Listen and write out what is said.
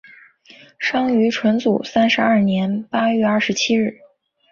生于纯祖三十二年八月二十七日。